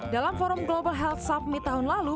dalam forum global health submit tahun lalu